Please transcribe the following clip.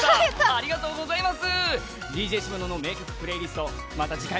ありがとうございます。